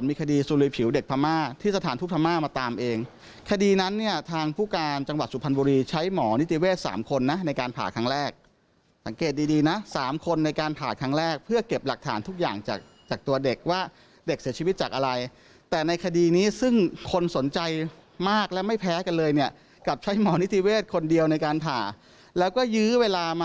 มาครึ่งเดือนกว่าจะส่งไปผ่าที่อื่นเพิ่ม